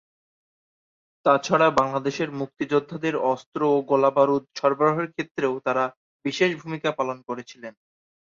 তাছাড়া বাংলাদেশের মুক্তিযোদ্ধাদের অস্ত্র ও গোলাবারুদ সরবরাহের ক্ষেত্রেও তারা বিশেষ ভূমিকা পালন করেছিলেন।